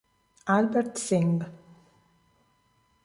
Albert Sing